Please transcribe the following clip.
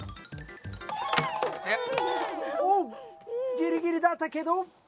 ギリギリだったけどひなポン！